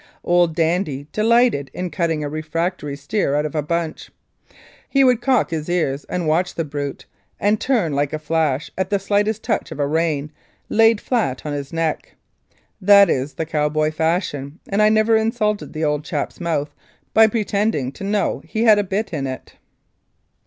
Old "Dandy" delighted in cutting a refractory steer out of a bunch. He would cock his ears and watch the brute, and turn like a flash at the slightest touch of a rein laid flat on his neck. That is the cowboy fashion, and I never insulted the old chap's mouth by pretending to know that he had a bit in it.